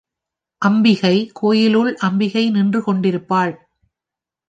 அம்பிகை கோயிலுள் அம்பிகை நின்று கொண்டிருப்பாள்.